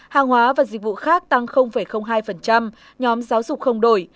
hàng hóa và dịch vụ khác tăng hai nhóm giáo dục không đổi